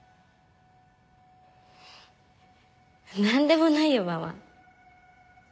何でもないよママ。